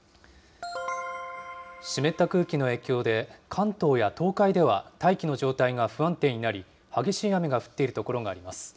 湿った空気の影響で、関東や東海では大気の状態が不安定になり、激しい雨が降っている所があります。